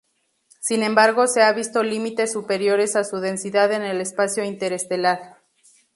Sin embargo se ha visto límites superiores a su densidad en el espacio interestelar.